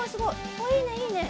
あいいねいいね。